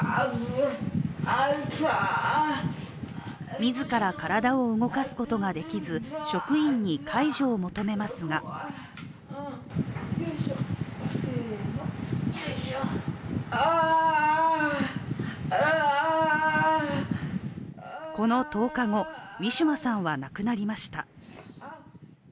自ら体を動かすことができず職員に介助を求めますがこの１０日後、ウィシュマさんは亡くなりました。